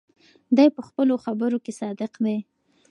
دی په خپلو خبرو کې صادق دی.